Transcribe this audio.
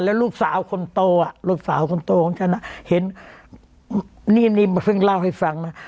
แล้วลูกสาวคนโตอ่ะลูกสาวคนโตของฉันเห็นนี่นี่เพิ่งเล่าให้ฟังนะ